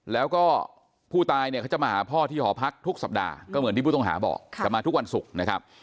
แล้วก็ผู้ตายเนี่ยเขาจะมาหาพ่อที่หอพักทุกสัปดาห์ก็เหมือนที่ผู้ต้องหาบอกจะมาทุกวันศุกร์นะครับ